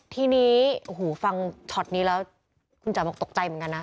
ทีนี้โอ้โหฟังช็อตนี้แล้วคุณจ๋าบอกตกใจเหมือนกันนะ